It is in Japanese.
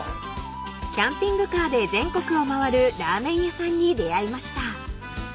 ［キャンピングカーで全国を回るラーメン屋さんに出会いました］